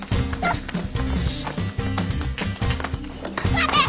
待て！